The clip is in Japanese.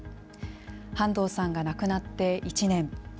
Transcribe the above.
半藤さんが亡くなって１年。